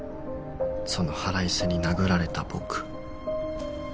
その腹いせに殴られた僕